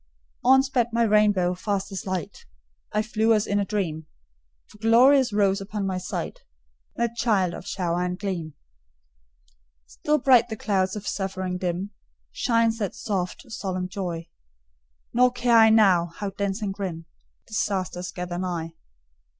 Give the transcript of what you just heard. On sped my rainbow, fast as light; I flew as in a dream; For glorious rose upon my sight That child of Shower and Gleam. Still bright on clouds of suffering dim Shines that soft, solemn joy; Nor care I now, how dense and grim Disasters gather nigh.